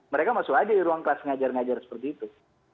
mereka masuk aja di ruang kelas ngajar ngajar seperti itu